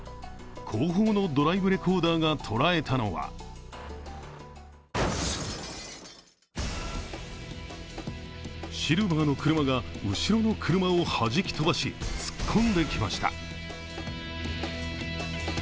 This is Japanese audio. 後方のドライブレコーダーが捉えたのはシルバーの車が後ろの車をはじき飛ばし、突っ込んできました。